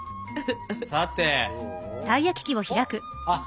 さて。あっ！